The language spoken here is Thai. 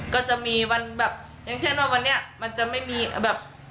ก็จะมีวันแบบอย่างเช่นว่าวันนี้มันจะไม่มีแบบ